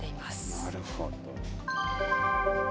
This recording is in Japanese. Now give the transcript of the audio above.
なるほど。